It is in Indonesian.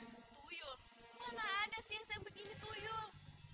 tuyul mana ada sih yang sampai gini tuyul